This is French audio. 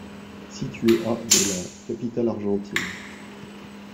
Située à de la capitale argentine.